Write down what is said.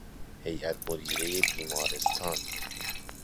هیئت مدیرهی بیمارستان